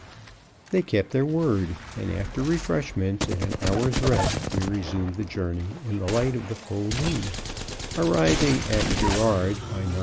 They kept their word, and after refreshments and an hour's rest, we resumed the journey in the light of the full moon, arriving at Girard by 9:30.